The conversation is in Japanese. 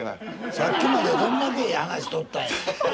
さっきまでどんだけ話しとったんや。